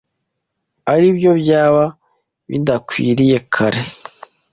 aribyo byaba bidakwiriyekare